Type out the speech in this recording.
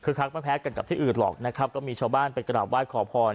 คือคลักมา้แพ้กันกับที่อื่นหรอกนะคะก็มีชาวบ้านไปกระดาษว่าขอผ่อน